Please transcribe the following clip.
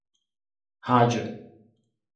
rádio